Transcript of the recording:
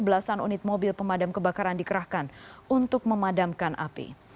belasan unit mobil pemadam kebakaran dikerahkan untuk memadamkan api